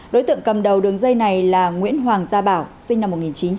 đối tượng cầm đầu đường dây này là nguyễn hoàng gia bảo sinh năm một nghìn chín trăm tám mươi